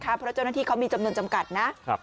เพราะเจ้าหน้าที่เขามีจำนวนจำกัดนะ